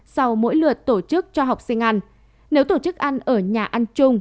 sau mỗi lượt tổ chức cho học sinh ăn nếu tổ chức ăn ở nhà ăn chung